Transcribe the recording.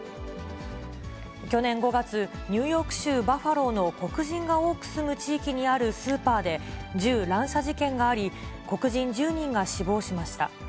去年５月、ニューヨーク州バファローの黒人が多く住む地域にあるスーパーで、銃乱射事件があり、黒人１０人が死亡しました。